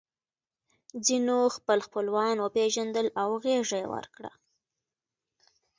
ځینو خپل خپلوان وپېژندل او غېږه یې ورکړه